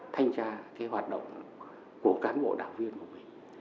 thanh tra cái hoạt động của cán bộ đảng viên của mình